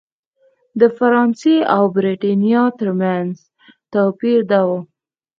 د فرانسې او برېټانیا ترمنځ توپیر دا و.